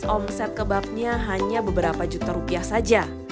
omset kebabnya hanya beberapa juta rupiah saja